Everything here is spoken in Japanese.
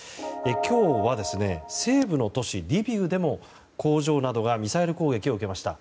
今日は、西部の都市リビウでも工場などがミサイル攻撃を受けました。